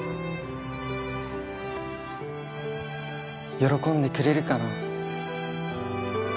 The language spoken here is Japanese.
喜んでくれるかな？